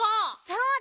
そうだ。